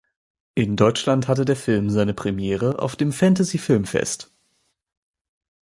In Deutschland hatte der Film seine Premiere auf dem Fantasy Filmfest.